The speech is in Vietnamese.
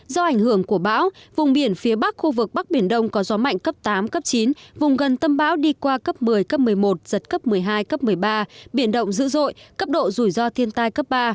do ảnh hưởng của bão vùng biển phía bắc khu vực bắc biển đông có gió mạnh cấp tám cấp chín vùng gần tâm bão đi qua cấp một mươi cấp một mươi một giật cấp một mươi hai cấp một mươi ba biển động dữ dội cấp độ rủi ro thiên tai cấp ba